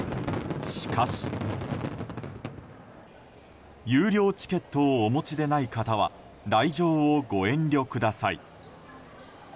しかし、有料チケットをお持ちでない方は来場をご遠慮ください。